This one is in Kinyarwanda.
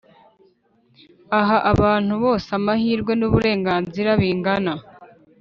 aha abantu bose amahirwe n’uburenganzira bingana